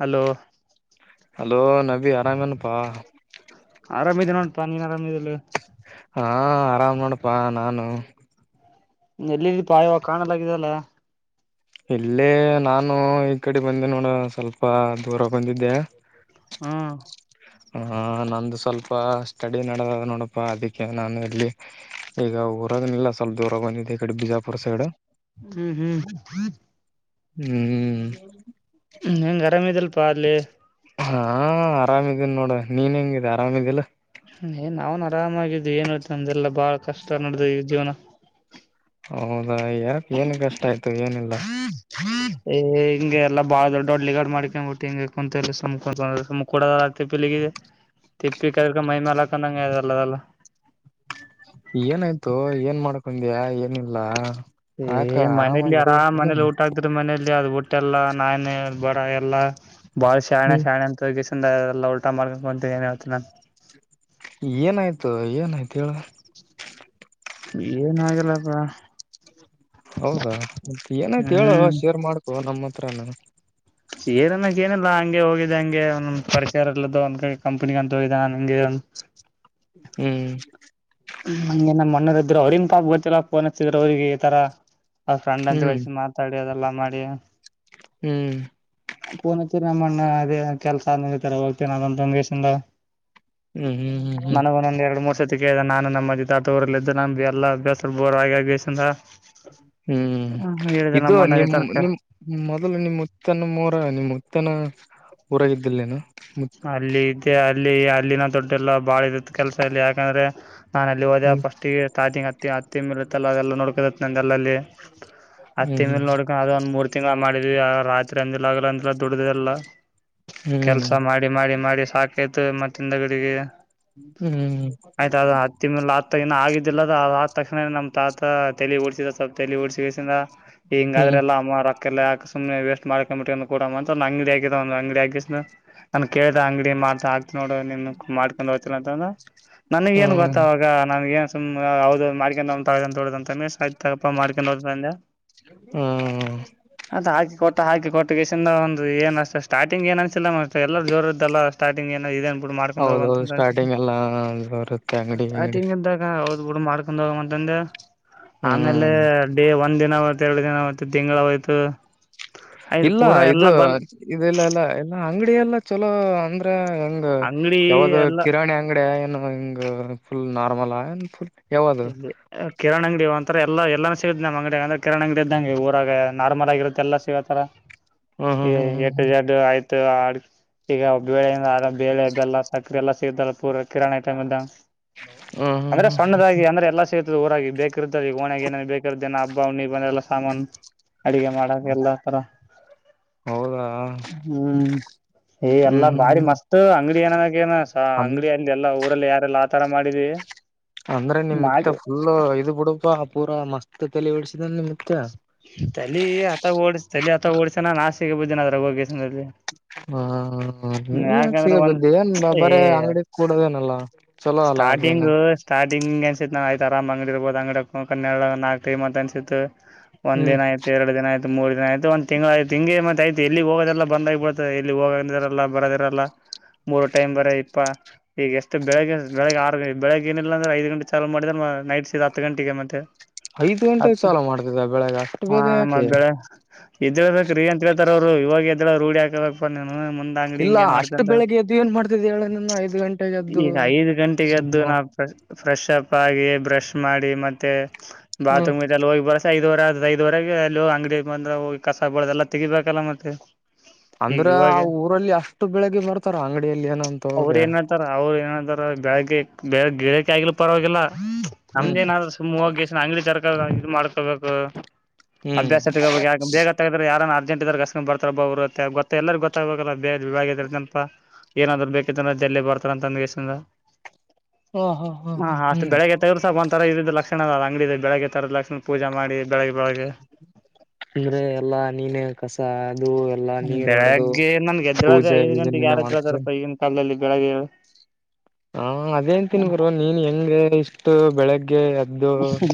Hello hello Nabi ಆರಾಮನಪ್ಪಾ ಆರಾಮಿದೆ ನೋಪಾ ನೀನ್ ಆರಾಮಿದಿಲ್ಲ ಹಾ ಆರಾಮ್ ನೋಡಪ್ಪಾ ನಾನು ಎಲ್ಲಿಪಾ ಈವಾಗ ಕಾಣಲಾಗಿದೆಲ್ಲ ಇಲ್ಲೇ ನಾನು ಈ ಕಡೆ ಬಂದೆ ನೋಡ ಸ್ವಲ್ಪ ದೂರ ಬಂದಿದ್ದೆ ಹ್ಮ ಆಹ ನಂದು ಸ್ವಲ್ಪ ಸ್ಟಡಿ ನಡದ ನೋಡಪ್ಪಾ ಅದಿಕ್ಕೆ ನಾನು ಇಲ್ಲಿ ಈಗ ಊರಾಗನಿಲ್ಲ ಸ್ವಲ್ಪ ದೂರಾಗ ಬಂದಿದ್ದೆ ಈ ಕಡೆ ಬಿಜಾಪು ಹ್ಮ್ ಹ್ಮ್ ಹ್ಮ್ ಹೆಂಗ್ ಆರಾಮ್ ಇದಲ್ಪ ಪಾಲೆ ಹಾ ಆರಾಮಿದೀನಿ ನೋಡ ನೀನ್ ಹೆಂಗಿದೆ ಆರಾಮಿದಿಲ್ಲ ಹ್ಮ್ ಏನ್ ನಾವನ್ ಆರಾಮಾಗಿದ್ ಏನ್ ಹತ ನಮ್ದೆಲ್ಲ ಬಾಳ ಕಷ್ಟ ನಡ್ದ ಈ ಜೀವನ ಅ ಯಾಕೆ ಏನ್ ಕಷ್ಟ ಆಯಿತು ಏನಿಲ್ಲ. [unintelligible] ಹಿಂಗೆ ಎಲ್ಲಾ ಬಾಳ ದೊಡ್ಡ ದೊಡ್ಡ ಲಿಗಾಡ್ ಮಾಡುಕೊಂಡು ಬಿಟ್ಟೀಗಿ. ಕುಂತ ಸುಮಕ ಕು ಸುಮ್ ಕೂಡ ತಿಪ್ಪಿಲಿಗೆ ತಿಪ್ಪಿ ಕದಕ ಮೈ ಮೇಾಲ ಹಾಕೊಂಡಂಗಲ್ಲ ಅದಲ್ಲ. ಏನಾಯಿತು ಏನು ಮಾಡುಕೊಂಡಿಯ ಏನಿಲ್ಲ. ಯಾಕ ಏ ಮನೇಲಿ ಆರಾಮಾಗಿ ಆರಾಮ್ ಇರ್ಬೇಕಲ್ಲ ಮನೇಲಿ ಊಟ ಹಾಕಿದರೆ ಮನೇಲಿ. ಇಲ್ಲಿ ಅದು ಬುಟ್ಟಿ ಎಲ್ಲಾ ನಾಯನ ಬಡ ಎಲ್ಲಾ. ಬಾಳ್ ಶಾಣ ಹ್ಮ್ ಶ್ಯಾಣ ಅಂತ ಸುಮ್ನೆ ಇರು. ಎಲ್ಲ ಊಟ ಮಾಡುಕೊಂಡು ಕುಂತೇ ಏನ್ ಹೇಳುತಿ ಅಂತ. ಏನಾಯಿತು ಏನಾಯಿತು ಹೇಳು. ಏನಾಗಲ್ಲಪ್ಪ. ಹೌದಾ ಏನಾಯಿತು ಹೇಳು ಶೇರ್ ಮಾಡುಕೊ ನಮ್ಮ. [unintelligible] ಏನು ಅಂಗೆ ಏನಿಲ್ಲಾ ಅಂಗೆ ಹೋಗಿದೆ ಅಂಗೆ ಒಂದ ಪರಿರಸರಲ್ಲದು ಒಂದು ಕಡೆ ಕಂಪನಿಗೆ ಅಂತ ಹೋಗಿದ್ದೆ ಅಂಗೆ. ಉಮ್. ನಮಗೆ ನಮ್ಮ ಅಣ್ಣರ ಇದ್ದರು ಅವರಿನ್ ಪಾಪ ಗೊತ್ತಿಲ್ಲ ಫೋನು ಹಚ್ಚಿದರು ಅವರಿಗೆ ಈತರ. ಅವರು ಫ್ರೆಂಡ್ ಹ್ಮ್ [unintelligible] ಮಾತಾಡೋದ. ಎಲ್ಲ ಮಾಡಿಯಾ. ಉಮ್. ಪೋನು ಹಚ್ಚಿರಿ ನಮ್ಮಣ್ಣ ಅದೇ ಕೆಲಸ ಆದ ಮೇಲೆ ಹೋಗುತ್ತೆನೆ ಅದೊಂತೊಂದ್. ಹ್ಮ್ ಹ್ಮ್ [unintelligible] ಹ್ಮ್ ಹ್ಮ್ ನನಗೆ ಒಂದು ಎರಡು ಮೂರು ವರ್ಷ. [unintelligible] ನಾನು ನಮ್ಮ ತಾತ ಊರಲ್ಲಿ ಇದ್ದರೆ ನಾನು ಎಲ್ಲ ಅಭ್ಯಾಸ ಬೋರ್ ಆಗಿ. [unintelligible] ಹ್ಮ್ ಹೇಳಿದೆ ಇದು ನಮ್ಮ ಅಣ್ಣನ್ ಈ ನಿಮ್ ತರ ನಿಮ್ ಮೊದಲು ನಿಮ್ಮುತ್ತನ್ನು ಮೂರು. ನಿಮ್ ಮತ್ತನ ಊರಾಗಿದ್ದಲಯೇನು. ಅಲ್ಲಿ ಇದ್ದೆ. ಅಲ್ಲಿ ಅಲ್ಲಿನ ದುಡ್ಡೆ ಎಲ್ಲ ಬಾಳ ಇತ್ತ ಕೆಲಸದಲ್ಲಿ ಯಾಕೆಂದರೆ. ನಾನು ಅಲ್ಲಿ ಹೋದ ಪೋಸ್ಟ್ ಗೆ ಸ್ಟಾರ್ಟಿಂಗ್ ಹತ್ತ ಹತ್ತ. ಅದೆಲ್ಲ ನೋಡುಕದತಿ ನಂದು ಅಲ್ಲಲ್ಲಿ. ಅತ್ತೆ ಹ್ಮ್ ಮೇಲೆ ನೋಡುಕೊಂಡು ಅದು ಒಂದು ಮೂರ್ತಿ. ತಿಂಗಳ ಮಾಡಿದಿವಿ ರಾತ್ರಿ ಅಂದಿಲ್ಲ ಆಗಲ ಅಂದಾ ದುಡ್ದಲ್ಲ. ಉಮ್. ಮಾಡಿ ಮಾಡಿ ಮಾಡಿ ಸಾಕಿ. ಹೇತವೆ ಮತ್ತು ಇಂದಡಿಗೆ. ಹ್ಮ್. ಇಲ್ಲ ಆದ ತಕ್ಷಣ ನಮ್ಮ ತಾತ ತಲಿ ಓಡಸಿದ ಸ್ವಲ್ ತಲಿ ಓಡಸಿಂದ. ಹ್ಮ್ ಹಿಂಗಾದ್ರೆಲ್ಲಾ ಅಮ್ಮರ. ಲ್ಲಾಕ್, ಸುಮನೆ! ವೇಸ್ಟ್? ಮಾಡಕೊಂಬಿ ಕೂಡಂತ, ಅಂಗಡಿ. ಆಗ ಅಂಗಡಿ ಆಗ? [inaudible] ನಾನ, ಕೇಳ್ದ? ಅಂಗಡಿ ಮಾಡ. [inaudible] ಆಗ್ತ, ನೋಡು. ನಿನ್ ಮಾಡ್ಕೊಂಡ್? ಹೋಗ್ತರ ಅಂತಂದ, ನನಗ ಏನ್ ಹ್ಮ್ ಹ್ಮ್ ಗೊತ್ತಾವಾಗ ನನ್ ಏನ್?.. [unintelligible] ತು, ಯದ್, ಮಾರ್ಕ, ತಗೋಂತ ಆಯ್ತ. ತಗಪ್ಪ ಮಾರ್ಕನ್?.. ಅದ, ಹಾಕಿ. ಕೊಟ್ಟ! ಹಾಗಾಕಿ ಕೊಟ್ಟ? [inaudible] ಒಂದು, ಏನ್, ಅಷ್ಟ, ಸ್ಟಾರ್ಟಿಂಗ್. ಏನ್ ಅನ್ಸಿಲ್ಲ? [inaudible] ಎಲ್ಲರ, ಜೋರದ್ದಲ್ಲ, ಸ್ಟಾರ್ಟಿಂಗ. ಏನ ಇದ? [inaudible] ಹೌದೌದು, ಸ್ಟಾರ್ಟಿಂಗ್, ಎಲ್ಲ ಬರುತ್ತೆ ಅಂಗಡಿಂಗಡಿ? [inaudible] ಕೂಡ, ಮಾಡ್ಕೊಂಡ್! ಹೋಗಂತಂದೆ?. [inaudible] ಆಮೇಲೆ, ಹ್ಮ್ ಡೇ ಒಂದ ದಿನವ? [inaudible] ಮತ್ತೆರಡು, ದಿನ. ಮತ್ತೆ ತಿಂಗಳ ಹೋಯ್ತು? [inaudible] ಆಯ್ತು ಇಲ್ಲ, ಪೂರಾ ಎಲ್ಲಾ ಇದು, ಬಂದ್ ಇದೆಲ್ಲ ಎಲ್ಲ ಎಲ್ಲ? [inaudible] ಅಂಗಡಿಯ, ಎಲ್ಲ ಚಲೋ ಅಂದ್ರೆ? [inaudible] ಹಿಂಗ, ಅಂಗಡಿ ಯಾವ್ದ ಎಲ್ಲಾ ಕಿರಾಣಿ, ಅಂಗಡ ಏನು ಹಿಂಗ? [inaudible] Full, normal ಆುಲೂ? [inaudible] ಇಲ್ಲಿ, ಕಿರಣ್. ಅಂಗಡಿಂತ? [inaudible] ಆರ, ಎಲ್ಲ, ಎಲ್ಲೂ, ಸಿಗುತ್ತೆ. ನಮ್ಮ ಅಂಗಡ ಅ್ರ ಕರಣ, ಅಂಗಡ ಇದ್ದಂಗೆ. ಊರಾಗ ನಾರ್ಮಲ್ ಆಗಿರುತ್ತ ಎಲ್ಲ ಸಿಗತರ? ಹ್ಮ್ [unintelligible] ಹ್ಮ್ ಎಟ್ಟು, ಎಡ್ಡು ಆಯ್ತು? [inaudible] ತ್ತ, ಆಡೂ? [inaudible] ಈಗ, ಒಬ್ಬೇಳೆಯಿಂದ, ಆದ ಬೇಳೆ, ಅದೆಲ್ಲ? [inaudible] ಕರೆಲ್ಲ, ಸಿಗತಲ್ಲ, ಪೂರ, ಕಿರಾಣೆ! ಟೈಮದ್ದಗೆ? [unintelligible] ಹ್ಮ್, ಹ್ಮ್? ಹ್ಮ್, ಹ್ಮ್! ಹ್ಮ. [inaudible] ಊರದ, ಊರಾಗಿ, ಬೇಕಿರು. ಒಣಾಗ! ಏನೇ ಬೇಕಿರ್? ಹಬ್ಬ ನೀವು.. [unintelligible] ಲ್ಲ, ಸ. ಅಡ ಮಾಡ ಎಲ್ಲ ತರ. ಹೌದಾ ಹ್ಮ ಹ್ಮ್ ಎಲ್ಲಾ ಹ್ಮ್ ಬಾರಿ ಹ್ಮ್ ಮಸ್ತ್, ಅಂಗಡಿ ಏನ ಅಂಗ ಅನ್ ಅಲ್ಲಿಲ್ಲ? [unintelligible] ಯಾರೆಲ್ಲ, ಆತರ ಮಾಡಿದವಿ?. [inaudible] ಅಂದ್ರೆ, ನಿಮ್ ಮತ್ತೆ ಫುಲ್! ಇ ಬಿುಡುಪ ಪೂರಾ ಮಸ್ತ್? [inaudible] ತಲೆ ಓಡಿಸು? [inaudible] ತಲ್ಲಿ, ಅತ, ಓಡಿಶ್? [inaudible] ಚಲಿ, ಅಥವಾ ಓಡ್ಸಣ ನಾಶಿಗೆ, ಬುದಿನದ್ರಾಗ ಹೋಗಿ? [unintelligible] ಹಾ.. [inaudible] ಹ, ನೀ! ಸಿಗ ಯಾಕಂದ್ರೆ ಒಂದ್ ಬಿದ್ದಿ. ಏನ್ ಏ ಬರ ಅಂಗಡಿ ಕೂಡೋದೇನಲ್ಲ? ಚಲೋ ಅಲ್ಲ ಅದೇನ.? [unintelligible] ಜರಾಮ್! ಅಂಗಡಿರ್ಬೋದು, ಅಂಗಡ. ಕ. ನಾಕ, ಟೈಮ ಅಂತ ಅನ್ಸತತ್ತು? [inaudible] ಒಂದ್, ಹ್ಮ್ ದಿನ, ಆಯ್ತು. ಎರಡು, ದಿನ, ಆಯ್ತು. [inaudible] ಮೂರು ದಿನ ಆಯತು. ಒಂದು, ತಿಂಗಳಾಯಿತು ಮತ್ತ ಆಯಿತು? ಎಲ್ಲಿ ಹೋಗೋದೆಲ್ಲ ಬಂದ ಆ್ಬಿಡ್ತ ಎಲ್ಲಿ ಹೋಗ? [unintelligible] ಲ್ಲ ಬರದಿರಲ್ಲ ಮೂರು ಟೈಮ್ ಬರ ಇಪ್ಪ ಈಗ ಎಷ್ಟು ಬೆಳಿಗ್ಗೆ ಬೆಳಗ್ಗೆ ಆರುಂಟ ಬೆಳಗ್ ಏನಿಲ್ಲ ಅಂದ್ರೆ ಐದು ಗಂಟೆ ಚಾಲ ಮಾಡಿದ್ರ ನೈಟ್ ಸ ಹತ್ತು ಗಂಟೆಗೆ ಮತ್ತೆ ಐದ ಗಂಟೆಗೆ ಮತ್ತ ಸಾಲ ಮಾಡ್ತಿದ್ದ ಬೆಳಗ್ಗೆ ಅಷ್ಟು ಬೇಗ ಯಾಕೆ ಎದ್ದೇಳ್ಬೇಕ ರೀ ಅಂತ ಹೇಳ್ತಾರ ಅವ್ರು ಇವಾಗ ಎದ್ದಳ ರೂಡಿ ಹಾಕಬೇಕ ಇಲ್ಲ ಅಷ್ಟು ಬೆಳಿಗ್ಗೆ ಎದ್ದು ಏನ್ ಮಾಡ್ತಿದ್ದ ಹೇಳ ನನ್ನ ಐದ್ ಗಂಟೆಗೆ ಎದ್ದು ಸುಮ್ಮು ಫ್ರೆಶ್ಪ್ ಆಗಿ ಬ್ರಷ್ ಮಾಡಿ ಮತ್ತೆ ಹ್ಮ್ ಬಾತ್ರೂಮ್ ಇದೆಲ್ಲ ಹೋಗಿ ಬರ ಐದುವರೆ ಆದ ಐದುವರೆಗೆ ಅಲ್ಲಿ ಅಂಗಡಿ ಬಂದ್ರ ಹೋಗಿ ಕಸಗ್ ಬಳದೆ ಎಲ್ಲಾ ತಗಿಬೇಕಲ್ಲ ಮತ್ತೆ ಈಗ ಅಂದ್ರ ಇವಾಗ ಆ ಊರ ಲ್ಲಿ ಅಷ್ಟು ಬೆಳಿಗ್ಗೆ ಬರ್ತಾರ ಅಂಗಡಿಯಲ್ಲಿ ಏನಂತ ಅವ್ರ ಹೋಗೆ ಏನ್ತಾರ ಅವ್ರ ಏನ್ತಾರ ಬೆಳಗ್ಗೆ ಗಿರಾಕಿ ಆಗಿಲ್ಲ ಪರವಾಗಿಲ್ಲ ಹ್ಮ್ ನಮ್ದೇನ್ರರು ಸುಮ್ಮ್ ಹೋಗ ಅಂಗಡಿ ತರ ಇದು ಮಾಡ್ಕೊಬೇಕು ಹ್ಮ್ ಅಭ್ಯಾಸ ಬೇಗ ತಗದ್ರೆ ಯಾರ [unintelligible] ಬರ್ತಾರ ಬರುತ್ತ ಗೊ ಎಲ್ಲರ ಗೊ ತಬೇಕಲ ೇ ವಿಭಾಗನಪಾ ಏನಾದ್ರು ಬೇಕತ್ತಂದ್ರ ಜಲ್ಲಿ ಬರ್ತಾರ ಅಂತ ಅಂದಿಂದ ಹೆಸಿಂದ ಹ ಹ ಹ ಹಾ ಅಷ್ಟು ಹ್ಮ್ ಬೆಳಗ್ಗೆತ್ತದ್ರರು ಸ್ವಲ್ಪ ಒಂಥರಾ ಇದ ಲಕ್ಷಣ ಅಂಗಡ ಬೆಳಗ್ಗೆ ತರದ ಲಕ್ಷಣ ಪೂಜ ಮಾಡಿ ಬೆಳಗ್ಗೆ ಬೆಳಗ್ಗೆ ಅಂದ್ರೆ ಎಲ್ಲಾ ನೀನ ಕಸ ಅದು ಎಲ್ಲಾ ನೀರ್ ಹೊಡೆದು ಬೆಳಿಗ್ಗೆ ನನ್ಗೆದ್ರದೆ ಪೂಜೆ ಐದ ಇದು ಗಂಟೆಗೆ ನೀನೇ ಯಾರಾದ್ರು ಮಾಡ್ತದೆ ಅದಾರಪ್ಪ ಈಗನ್ ಕಾಲಲ್ಲಿ ಬೆಳಗೆ ಹಾ ಅದೇನ್ ತಿನ್ಗರು ನೀನ್ ಹೆಂಗೆ ಇಷ್ಟು ಬೆಳಗ್ಗೆ ಕೆಳ ಹ್ಮ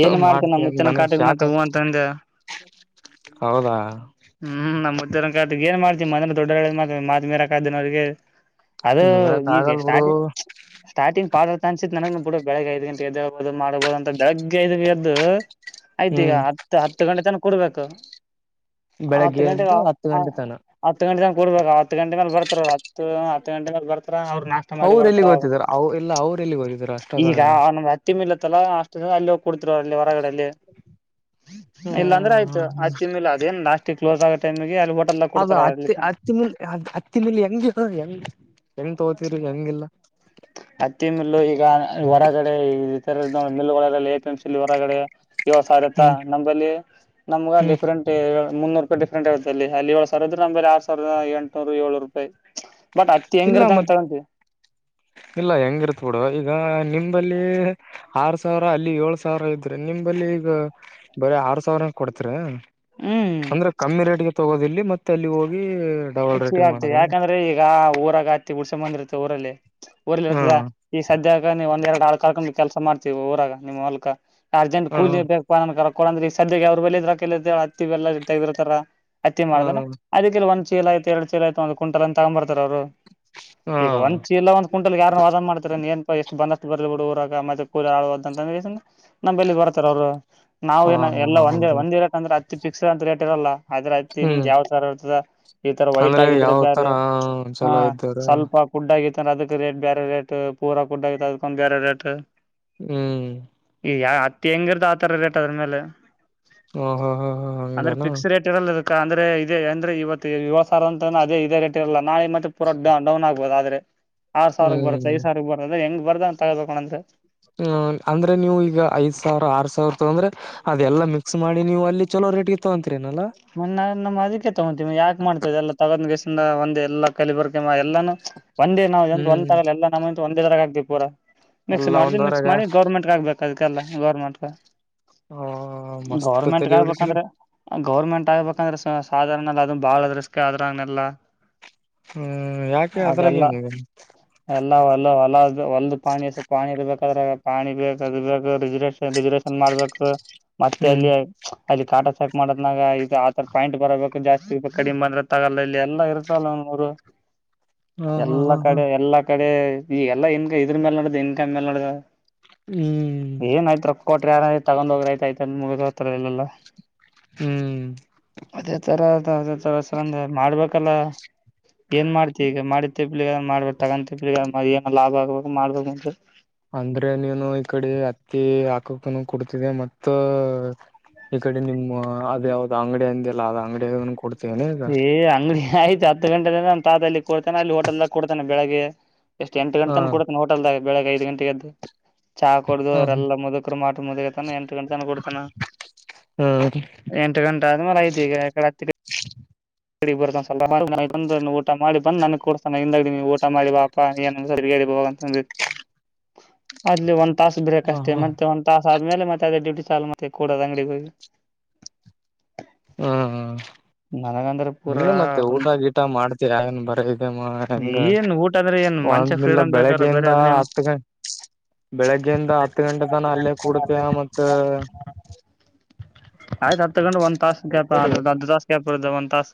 ಏನ್ ಮಾಡ್ತ ನಮ ಮುುತ್ತಿನ ನನಗ್ ಕಾಟಗ ಶಾಕ್ ಮಾಡ ಹೂ ಆಗ್ತ ಅಂತ ಅಂದೆ ಹೌದಾ ಹ್ಮ್ ನ ಏನ್ ಮಾಡ್ತಿ ಮೊೆ ದೊಡ್ಡ್ ಮಾತ್ ಮೀರಾಕ್ದವ್ರಿಗೆ ಅದು ಮೀರಕ್ ಈಗ ಆಗಲ್ ಬಿಡು ಸ್ಟಾರ್ಟಿಂಗ್ ಸ್ಟಾರ್ಟಿಂಗ್ ಪಾತ್ರ ಅನ್ಸತ್ ನನ ಕೂಡ ಬೆಳಗ್ ಐದು ಗಟೆ ಬೋದು ಮಾಡ್ಬೋದು ಅಂತ ಬೆಳಗ್ಗೆ ಐದು ಎದ್ದು ಆಯ್ತು ಈಗ ಹ್ಮ್ ಹತ್ತು ಹತ್ತು ಗಂಟೆ ತನ ಕೊಡ್ಬೇಕು ಹತ್ತು ಬೆಳಗ್ಗೆ ಗಂಟೆ ಎದ್ದು ಹತ್ತು ಗಂಟೆ ತನ ಹತ್ತು ಗಂಟೆ ತ ಕೊಡಡ್ಬೇಕ ಹತ್ತು ಗಂೆ ಮೇಲೆ ಬರ್ತಾರ ಅವ ಹತ್ತು ಹತ್ತು ಗಂಟೆ ಮೇಲೆ ಬರ್ತ ಅವ್ರ ಎಲ್ಲಿ ಗೊತ್ತಿದಾರ ಅವ ಎಲ್ಲ ಅವ್ರ ಎಲ್ಲಿ ಗೊತ್ತಿದಾರ ಅಷ್ಟೊ ತರಗೆ ಲ್ಲ ಅಷ್ಟ ಅಲ್ಲಿ ಹೋಗಿಡ್ತಿರು ಅಲ್ಲಿ ಹೊರಗಡೆ ಇಲ್ಲಾಂದ್ರೆ ಆಯ್ತು ಆ ಹ್ಮ್ ತಿ ಮೇಲೆ ಅದೇನ್ ನಾಷ್ಟ ಟಿ ಕ್ಲೋಸ್ ಆಗುತ್ತೆ ಆನ್ಮೇಗೆ ಅಲ್ ವೋಟ್ ಅದು ಅತ್ತಿ ಅತ್ತಿಮ ಅತ್ತಿಮಲ್ ಹೆಂಗ ಹೆಂಗ. ಹತ್ತಿ ಮಿಲ್ಲು ಈಗ ಹೊರಗಡೆ ಇತರದು ಮಿಲ್ಗಳ ಎ ಪಿ ಎಂ ಸಿ ಹೊರಗಡೆ. ಇವ ಸಾರತಾ ಹ್ಮ್ ನಂಬಲ್ಲಿ ನಮ್ಗ ಡಿಫ್ರೆಂಟ್ ಮುನ್ನೂರ್ ರೂಪಾಯಿ ಡಿಫ್ರಂಟ್ ಆಗುತಲ್ಲಿ ಅಲ್ಲಿ ಯೊಳ್ ಸಾವ್ರದ್ರ ನಮ್ಗ್ ಬರಿ ಆರ್ ಸಾವ್ರದ ಎಂಟ್ನೂರು ಏಳ್ನುರ್ ರೂಪಾಯಿ. ಬಟ್ ಹತ್ತಿ ಹೆಂಗ್ ಇಲ್ಲ ಇರದ್ ಮತ್ ತಳಂದಿ. ಇಲ್ಲ ಹೆಂಗಿರ್ತ್ ಬಿಡು ಈಗ ನಿಂಬಲ್ಲಿ ಆರ್ ಸಾವ್ರ ಅಲ್ಲಿ ಏಳ್ ಸಾವ್ರ ಇದ್ರೆ ನಿಂಬಲ್ಲಿ ಈಗ ಬರೀ ಆರ್ ಸಾವ್ರ ಕೊಡ್ತರ. ಹ್ಮ್ ಅಂದ್ರೆ ಕಮ್ಮಿ ರೇಟ್ಗೆ ತಗೋದಿಲ್ ದೆ ಮತ್ತೆ ಅಲ್ಲಿ ಹೋಗಿ. ಡಬಲ್ ಹೆಚ್ಗೆ ರೇಟಿಂಗ್ ಆಗ್ತಿವ್ ಮಾಡದೇನ ಯಾಕಂದ್ರೆ ಈಗ ಒ ಇವಾಗ್ ಹತ್ತಿ ಉಡ್ಸ ಬಂದಿರ್ತ್ತ ಊರಲ್ಲಿ. ಊರ್ಲ್ಲಿ ಹಾ ಇರ್ತದ ಈ ಸದ್ಯ ಈಗ ನೀವು ಒಂದೆರ್ಡು ಆಳಕ್ ಕರ್ಕೊಂಡು ಕೆಲ್ಸ ಮಾಡ್ತೀವ್ ಊರಾಗ ನಿಮ್ ಹೊಲ್ಕ. ಅರ್ಜೆಂಟ್ ಹಾ ಕೂಲಿ ಬೇಕ್ಪ ನನ್ ಕೊಡಂದ್ರಿ ಸಾಧ್ಯ ಅವ್ರ ಬೆಲಿ ರೋಕ್ ಎಲಿದ್ ಹೇಳ್ ಹತ್ತಿವೆಲ್ಲ ಇರ್ತದ. ಹತ್ತಿ ಹಾ ಮಾಡ್ದಾನ ಅದಕ್ಕೆಲ್ಲ ಒಂದ್ ಚೀಲ ಆಯ್ತು ಎರ್ಡ್ ಚೀಲ ಆಯ್ತು ಒಂದು ಕುಂಟಲ್ ಅಂತ ತಗೊಂಡ್ ಬರ್ತರ ಅವ್ರು. ಹಾ ಈಗ ಒಂದ್ ಚೀಲ ಒಂದ್ ಕುಂಟಲ್ ಯಾರ ವಾದನ್ ಮಾಡ್ತೀರ ಏನ್ ಎಷ್ಟು ಬಂದಷ್ಟ್ ಬರ್ಲಿ ಬಿಡು ಊರಾಗ ಮತ್ತೆ ಕೂಲಿ ಆಳುವದ ಅಂತ ನಂಬಲ್ಲಿ ಬರ್ತರ ಅವ್ರು. ನಾವ್ ಹಾ ಏನ ಎಲ್ಲ ಹಾ ಒಂದೇ ಹೌದು ಒಂದಿರ ಕಂದ್ರೆ ದಿ ಪಿಕ್ಸಡ್ ಅಂತ ರೇಟಿರಲ್ಲ. ಆದ್ರದ್ ಹ್ಮ್ ಇಂದ್ ಯಾವ್ ತರ ಇರ್ತದ. ಈ ತರ ವೈಟ್ ಅಂದ್ರೆ ಆಗಿದ್ರರೆ ಯಾವ ತರ ಬ್ಯಾರೆ ಹ ಚಲೋ ಇದ್ದಾರ ಸ್ವಲ್ಪ ಕುಡ್ ಆಗಿದ್ ತರ್ ಅದಕ್ ರೇಟ್ ಬ್ಯಾರೆ ರೇಟ ಪೂರ ಕುಡ್ಡ ಆ ಅದಕೊಂದ್ ಬ್ಯಾರೆ ರೇಟ. ಹ್ಮ್ ಈಗ ಅತ್ತಿ ಹೆಂಗಿರ್ತಾ ಆತರ ರೇಟ್ ಅದ್ರ ಮೇಲೆ. ಒ ಹ ಹ ಹಾ ಹಂಗೆನಾ. ಕ ಅಂದ್ರೆ ಇದೆ ಅಂದ್ರೆ ಇವತ್ ದೆ ವಿವಸರ್ ಅಂತ ಅದೆ ಇದೇ ರೇಟ್ ಇರಲ್ಲ. ನಾಳೆ ಮತ್ತೆ ಪೂರಾ ಡೌನ್ ಆಗ್ಬೊದ್ ಆದ್ರೆ. [inaudible] ಆರ್ ಸಾವ್ರಕ್ ಬರುತ್ತೆ ಐದ್ ಹ್ಮ್ ಸಾವ್ರಕ್ ಬರದ ಹೆಂಗ್ ಬರ್ದ ಅಂತ್ ತಗಂಬೇಕ್ ಮತ್ತೆ. ಹ್ಮ ಅಂದ್ರೆ ನೀವು ಈಗ ಐದ್ ಸಾವ್ರ ಆರ್ ಸಾವ್ರ ತಂದ್ರೆ ಅದೆಲ್ಲಾ ಮಿಕ್ಸ್ ಮಾಡಿ ನೀವು ಅಲ್ಲಿ ಚಲೋ ರೇಟ್ಗೆ ತಗಂತೀ ಮೊನ್ನೇ ನಮ್ಮ ಅದಕ್ಕೆ ತಗೊತೀವಿ ಯಾಕ ಮಾಡ್ತದೆಲ್ಲ ತಗೊಂಡ ಒಂದ್ ಒಂದೇ ನಾವು ಏನರ ಒಂದು ಹ್ಮ್ ತಗೊಂಡ್ವಿ ಅಂದ್ರೆ ಒಂದೇ ದಾರಾಗ್ತೀವಿ ಪೂರ ಮಿಕ್ಸ್ ಎಲ್ಲ ಮಾಡ್ದು ಮಿಕ್ಸ್ ಒಂದ್ವರಾಗ ಮಾಡಿ ಗೌರ್ಮೆಂಟ್ ಆಗ್ಬೇಕದಕ್ಕೆಲ್ಲ ಗೌರ್ಮೆಂಟ್ ಹ ಮಸ್ತ್ ಗೌರ್ಮೆಂಟ್ಗ ತಲೆ ಹೊಡಿಸಿರಿ ಆಗ್ಬೇಕಂದ್ರೆ ಟಬೇಕಂದ್ರೆ ಸಾಧಾರಣಲ್ಲ ಅದ ಬಾಳ ಅದ್ರ ಅದ್ರಂಗ್ನೆಲ್ಲ ಹ್ಮ್ ಯಾಕೆ ಅದ್ರಾಗ ಅದೆಲ್ಲ ಏನಿದೆ ಎಲ್ಲ ಹೊಲ ಹೊಲ ಒಲ್ ಪಾಣಿಷ್ಟ ಪಾಣಿ ಇರ್ಬೇಕಾದ್ರೆ ಪಾಣಿ ಬೇಕಕ್ ಅದು ಬೇಕ ರಜರ್ಷನ್ ರಿಸರ್ವೇಷನ್ ಮಾಡ್ಬೇಕ ಮತ್ತೆ ಹ್ಮ್ ಅಲ್ಲಿ ಅಲ್ಲಿ ಕಾಟ ಚೆಕ್ ಮಾಡ ನಾಗ ಇದು ಆತರ ಪಾಯಿಂಟ್ ಬರಬೇಕು ಜಾಸ್ತಿ ಇ ಕಡಿಮೆ ಬಂದ್ರ ತಗಲ್ಲ ಇಲ್ಲಿ ಎಲ್ಲಾ ಇರುತ್ತಲ್ಲ ಒರು ಹ ಹಾ ಎಲ್ಲ ಹಾ ಹಾ ಕಡೆ ಎಲ್ಲಾ ಈ ಕಡೆ ಈ ಎಲ್ಲಾ ಇಂಗ ಇದ್ರ ಮೇಲೆ ನಡ್ದ ಇನ್ ಕಮ ಮೇಲೆ ನಡ್ದ ಹ್ಮ್ ತಗೊಂಡ ಹೋಗ್ರ ಆಯತ ಆಯತ ಮುಗಿದೋತ ಇಲ್ಲೆಲ್ಲ ಹ್ಮ್ ಅದೇತರ ಸರಂದ ಮಾಡ್ಬೇಕಲ್ಲ ಏನ್ ಮಾಡ್ತಿ ಈಗ ಮಾಡಿ ತಿಪ್ಲಿಗಿ ಮಾಡ್ಬೇಕ ತಗೊಂಡ ತಿಪ್ಲಿಗಿ ಏನು ಲಾಭ ಆಗವಲ್ಲದು ಮಾಡ್ಬೇಕುಂತ ಅಂದ್ರೆ ನೀನು ಈ ಕಡೆ ಹತ್ತಿ ಹಾಕಕ್ಕ ಕೊಡ್ತಿದೆ ಮತ್ತ ಈ ಕಡೆ ನಿಮ್ಮ ಅದ ಯಾವ್ದ್ ಅಂಗಡಿ ಅಂದಿಲ್ಲ ಅದ್ ಅಂಗಡಿಯ ಕೊಡ್ತ ಏ ಅಂಗಡಿ ಆಯ್ತು ಹತ್ತು ಗಂಟೆದ ನಾನ ತತಲ್ಲಿ ಕೊಡ್ತೇನೆ ಅಲ್ಲಿ ಹೋಟೆಲ್ದಾಗ ಕೊಡ್ತೇನೆ ಬೆಳಗ್ಗೆ ಎಷ್ಟು ಎಂಟ ಹ ಗಂಟ ತನ ಕೊಡ್ತಾನ ಹೋಟೆಲ್ ದಾಗ ಬೆಳಗ್ ಐದು ಗಂಟೆಗೆದ್ದು ಚಾ ಕುಡ್ದ ಹ ಹ್ಮ್ ಅವರೆಲ್ಲಾ ಮುದುಕರು ಮಾಡ [unintelligible] ಮುದಲತಾನ ಎಂಟು ಗಂಟೆ ತನ ಕೂಡ್ತಾನ ಎಂಟು ಗಂಟ ಅದ ಮ್ಯಾಲ ಆಯ್ತು ಈಗ ಎಡೆ [unintelligible] [inaudible] ತಸ್ ಬ್ರೇಕ್ ಹ ಅಷ್ಟೇ ಹ ಮತ್ತೆ ಒಂದ ತ ಮೇಲೆ ಮತ್ತೆ ಅದೇ ಡ್ಯೂಟ ಚಾಲ ಮತ್ತೆ ಕೂಡೋದ ಅಂಗಡಿಗೆ ಹೋಗ ಹ್ಮ್ ನನಗಂದ್ರಿ ಇನ್ನು ಮತ್ತೆ ಊಟ ಗೀಟ ಮಾಡ ಮತ್ತ ಯನ್ ಬರ ಅಮ್ಮ ಹೆಂಗ ಏನ್ ಊಟ ಅಂದ್ರೆ ಏನ್ ಮನುಷ್ಯ ಒಂದ ಇಲ್ಲ ಫ್ರೀಡಮ್ ಬೇಕಾರ ಬೇರೆ ಬೆಳಿಗ್ಗೆಯಿಂದ ಅದನ್ನೇನು ಹತ್ತು ಗಂಟೆ ಬೆಳಗ್ಗೆಯಿಂದ ಹತ್ತು ಬೆಳಗ್ಗೆಯಿಂದ ಗಂಟೆ ಹತ್ತು ತನ ಅಲ್ಲೇ ಗಂಟೆ ಕೂಡತೇಯ ಮತ್ತ ಆಯ್ತು ಹತ್ತು ಗಂಟೆ ಒಂದ ತಾಸ ಯಕಡೆ ಕದು ತಾಸ ಕಡೆಡತ ತಾಸ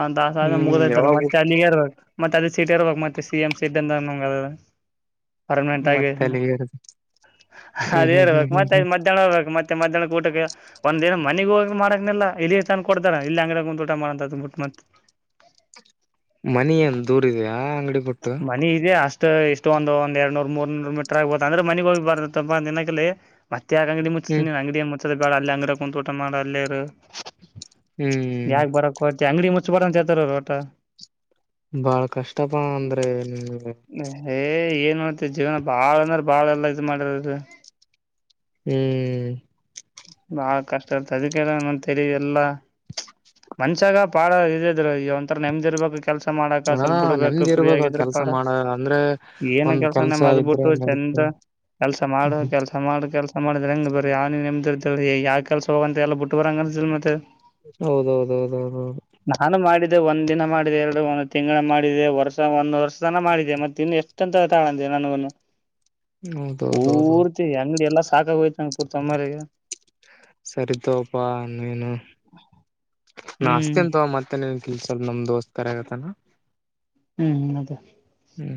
ಒಂದ್ ಆಸೆ ಹ್ಮ್ ಮುಗ್ದೊತ್ಲ ಯಾವಾಗ ಮತ್ ಇರ್ಬೇಕ ಮತ್ತೆ ಅದೇ ಸೀಟ್ ಇರ್ಬೇಕಕ್ ಮತ್ತೆ ಸಿ ಎಂ ಸೀಟ್ ಅ ನಂಗ ಪರ್ಮನೆಂಟ್ ಆಗಿ ಮತ್ತೆ ಅಲ್ಲಿಗೆ ಹ್ಮ್ ಹ್ಮ್ ಹ್ಮ್ ಅದೇರ್ಬೇಕು ಹ್ಮ್ ಹ್ಮ್ ಮತ್ತೆದು ಮಧ್ಯಾಹ್ನ ಹೋಗಬೇಕು ಮತ್ತೆ ಮಧ್ಯಾಹ್ನ ಊಟಕ್ಕೆ ಒಂದ್ ದಿನ ಮನಿಗ್ ಹೋಗ ಮಾಡಕನಿಲ್ಲ ಇಲ್ಲಿ ತನ್ ಕೊಡ್ದಾರ ಇಲ್ಲಿ ಅಂಗಡ ಒಂದ್ ಊಟ ಮಾಡಂತ ಮುಟ್ಟ ಮತ್ತ ಮನಿಯನ್ ದೂರಿದೆ ಮನ ಇದೆ ಅಷ್ಟ ಷ್ಟ ಇಷ್ಟ ಒಂದ ಒಂದ ಎರಡ್ ನೂರ್ ಮೂರ್ ನೂರ್ ಮೀಟರ್ ಆಗ್ಬಹು ಅಂದ್ರೆ ಮನೆ ಹೋಗಿ ಬರ್ ದಿನಕ ಮತ್ತೆ ಅಂಗಡಿ ಮು ಹ್ಮ್ ಅಂಗಡಿಯ ಬೇಡ ಅಲ್ಲಲ್ಲಿ ಅಂಗಡ ಕುಂತ ಊಟ ಮಾಡ ಅಲ್ಲೇರು ಹ್ಮ್ ಯಾಕ ಬರಕ್ ಕೊತಿ ಅಂಗಡಿ ಮತ್ತ ಪಠತಾರ ಹೊಊಟ [unintelligible] ಬಾಳ ಕಷ್ಟ ಇತ್ತಪ ಅಂದ್ರೆ ನಿಮ್ಗೆ ತ್ತ ಜೀವನ ಬಾಳಂದ್ರ ಬಾಳ ಎಲ್ಲಾ ಇ್ ಮಾಡಿರದು ಹ್ಮ್ ಬಾ ಕಷ್ಟ ಇತ ಅದಕ್ಕೆಲ್ಲ ನ ತರಿ ಎಲ್ಲಾ ಮಂಷಾಗ ಪಾಡ ಇದ ಇದ್ರ ಈ ಒಂಥರ ನೆಮ್ದಿರ್ಬೇಕಕ್ ಕೆಲಸ ಮಾಡಕ ಹಾ ಸಲ್ ಬಿಡ್ಬೇಕು ನೆಮ್ದಿ ಫ ಇರ್ಬೇಕ ಆಗಿದ್ರೆ ಕೆಲ್ಸ ಪಡ ಮಾಡ ಅಂದ್ರೆ ಏನು ಒಂದ್ ಕೆಲ್ಸಾನ ಕೆಲ್ಸ ಇದ್ರೆ ಮದಬಿಟ್ಟು ನಡೀತು ಚಂದ ಕೆಲ್ಸ ಮಾಡ ಕೆಲ್ಸ ಮಾಡ ಕೆಲ್ಸ ಮಾಡ್ರ ಹೆಂಗ ಬರ್ರ ಯಾವ ನಮ್ದಿರ್ದಲ್ರಿ ಯಾವ ಕೆಲ್ಸ ಹೋಗಂತ ಎಲ್ಲ ಬಿಟ್ಟ ಬರಂಗನ್ಲ್ ಮತ್ತೆ ಹೌದೌದ ಹೌದೌದೌದು ಇ ಒಂದ್ ದಿನ ಮಾಡಿದೆ ಎರಡು ಒಂದು ತಿಂಗಳು ಮಾಡಿದೆ ವರ್ಷ ಒಂದು ವರ್ಷ ತನ ಮಾಡಿದೆ ಮತ್ತೆ ಇನ್ನು ಎಷ್ಟ ಅಂತ ತಾಳಂದೆ ನನಗನ್ನು ಹೌದೌದ ಹೌದುದು ಸಾಕಾಗವತ್ತು ಅದು ಹೋಯಿತು ಸರಿ ತಪ್ಪೇನು ನಾ ಹ್ಮ್ ಅಷ್ಟತಂತ ಮತ್ತೆ ನೀನ್ ಸ ನಮದೋಸ್ತ ಕರೆತ ನ ಹ್ಮ್ ಅದೇ ಹ್ಮ್